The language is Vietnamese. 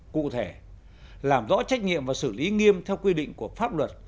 cụ thể làm rõ trách nhiệm và xử lý nghiêm theo quy định của pháp luật